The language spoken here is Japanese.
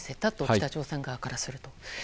北朝鮮側からすると。